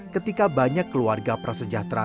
ketika banyak keluarga prasejahtera